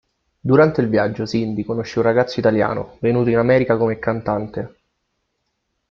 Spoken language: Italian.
Durante il viaggio Cindy conosce un ragazzo italiano, venuto in America come cantante.